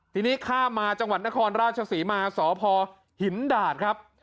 ทีนี้ข้ามมาจังหวัดนครราชศรีมาสพหินดาดครับ